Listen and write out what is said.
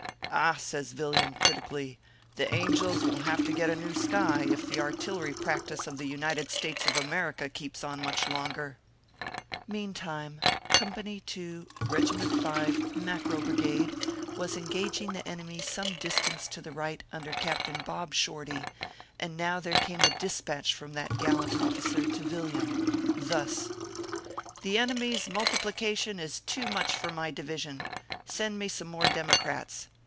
" Ah !" says Yilliam, critically, " the angels will have to get a new sky, if the artillery practice of the United States of America keeps on much longer/ Meantime Company 2, Begiment 5, Mackerel Brig ade, was engaging the enemy some distance to the / right, under Captain Bob Shorty; and now UK ro came a dispatch from that gallant officer to Villiam, thus :" The Enemy s Multiplication is too much for my Division. Send me some more Democrats.